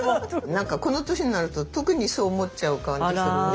なんかこの年になると特にそう思っちゃう感じするね。